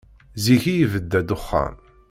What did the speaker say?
Zik i yebda ddexxan.